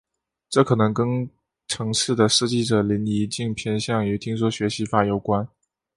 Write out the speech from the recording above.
这可能跟程式的设计者林宜敬偏向于听说学习法有关。